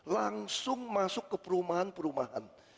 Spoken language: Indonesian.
langsung masuk ke perumahan perumahan